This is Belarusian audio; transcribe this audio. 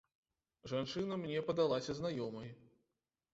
Жанчына мне падалася знаёмай.